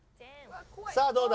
さあどうだ？